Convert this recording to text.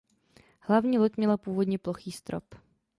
Hlavní loď měla původně plochý strop.